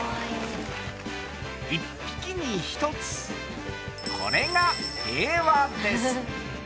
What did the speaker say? １匹に１つこれが平和です